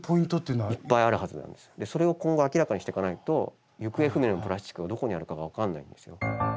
それを今後明らかにしていかないと行方不明のプラスチックがどこにあるかが分からないんですよ。